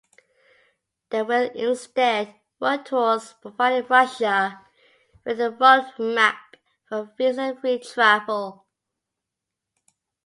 They will instead work towards providing Russia with a roadmap for visa-free travel.